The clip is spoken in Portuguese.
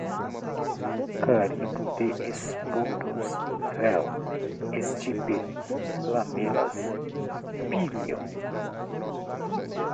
carimbo de esporos, véu, estipe, lamelas, píleo